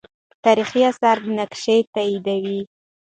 تاریخي آثار دا نقش تاییدوي.